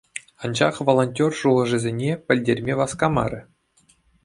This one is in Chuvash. Анчах волонтер шухӑшӗсене пӗлтерме васкамарӗ.